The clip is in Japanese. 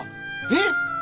えっ！？